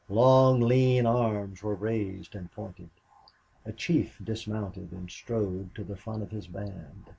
Long, lean arms were raised and pointed. A chief dismounted and strode to the front of his band.